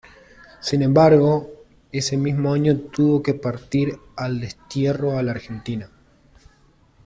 Sin embargo, ese mismo año tuvo que partir al destierro, a la Argentina.